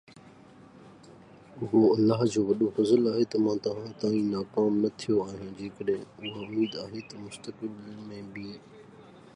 اهو الله جو وڏو فضل آهي ته مان توهان تائين ناڪام نه ٿيو آهيان، جيڪڏهن اها اميد آهي ته مستقبل ۾ به